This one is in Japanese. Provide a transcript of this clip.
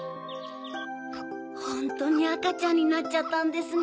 ・ホントにあかちゃんになっちゃったんですね。